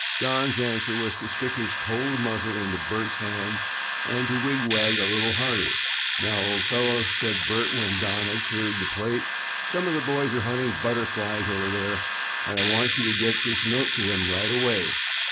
Don's answer was to stick his cold muzzle into Bert's hand and to wig wag a little harder. "Now, old fellow," said Bert when Don had cleared the plate, "some of the boys are hunting butterflies over there and I want you to get this note to them right away.